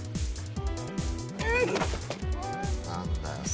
何だよ。